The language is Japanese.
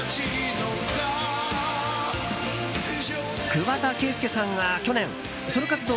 桑田佳祐さんが去年ソロ活動